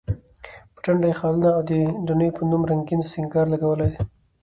په ټنډه یې خالونه، او د دڼیو په نوم رنګین سینګار لګېدلی و.